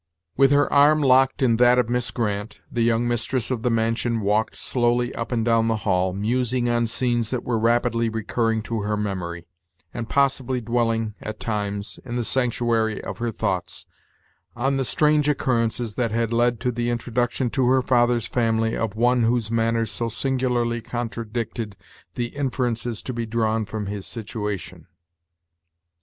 With her arm locked in that of Miss Grant, the young mistress of the mansion walked slowly up and down the hall, musing on scenes that were rapidly recurring to her memory, and possibly dwelling, at times, in the sanctuary of her thoughts, on the strange occurrences that had led to the introduction to her father's family of one whose Manners so singularly contradicted the inferences to be drawn from his situation.